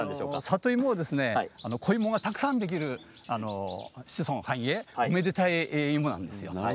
里芋で子芋がたくさんできて子孫繁栄おめでたい芋なんですね。